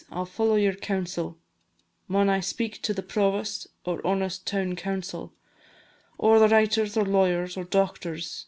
I 'll follow your counsel Maun I speak to the Provost, or honest Toun Council, Or the writers, or lawyers, or doctors?